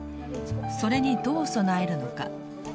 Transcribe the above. それにどう備えるのか。